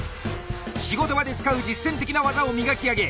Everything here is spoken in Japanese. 仕事場で使う実践的な技を磨き上げ